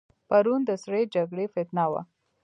پرون د سړې جګړې فتنه وه.